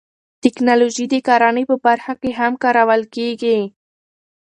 تکنالوژي د کرنې په برخه کې هم کارول کیږي.